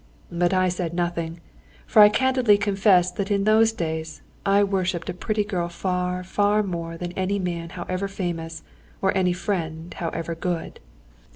But I said nothing, for I candidly confess that in those days I worshipped a pretty girl far, far more than any man however famous, or any friend however good.